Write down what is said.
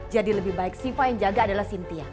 jadi lebih baik syifa yang jaga adalah sintia